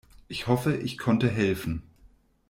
Ich hoffe, ich konnte helfen.